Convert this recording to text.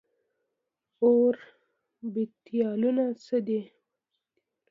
اوربيتالونه څه دي ؟